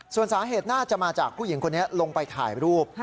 ส่วนสาเหตุน่าจะมาจากผู้หญิงคนนี้ลงไปถ่ายรูป